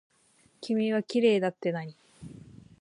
君はきれいだってなに。